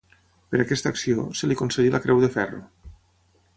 Per aquesta acció, se li concedí la Creu de Ferro.